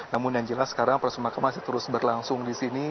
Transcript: namun yang jelas sekarang proses pemakaman masih terus berlangsung di sini